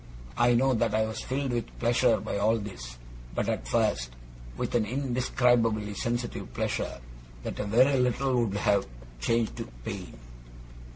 I know that I was filled with pleasure by all this; but, at first, with an indescribably sensitive pleasure, that a very little would have changed to pain.